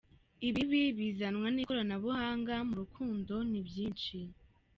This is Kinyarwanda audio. Ibibi bizanwa n’ikoranabuhanga mu rukundo ni byinshi.